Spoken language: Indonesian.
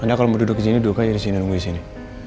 anda kalau mau duduk disini duduk aja disini nunggu disini